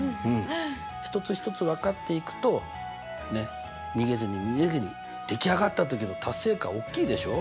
一つ一つ分かっていくとねっ逃げずに逃げずに出来上がったときの達成感おっきいでしょ？